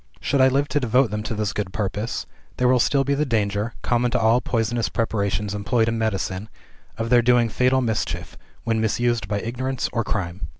Should I live to devote them to this good purpose, there will still be the danger (common to all poisonous preparations employed in medicine) of their doing fatal mischief, when misused by ignorance or crime.